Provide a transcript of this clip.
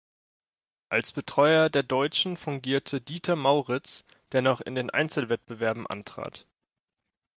Als Betreuer der Deutschen fungierte Dieter Mauritz, der noch in den Einzelwettbewerben antrat.